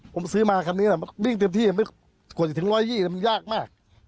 ผมซื้อมาคันนี้แหละวิ่งเต็มที่กว่าจะถึง๑๒๐มันยากมาก